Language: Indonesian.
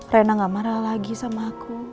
rena gak marah lagi sama aku